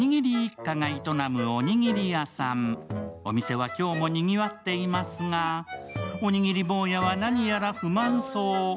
お店は今日もにぎわっていますが、おにぎりぼうやは何やら不満そう。